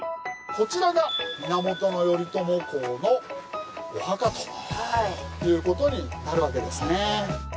こちらが源頼朝公のお墓ということになるわけですね。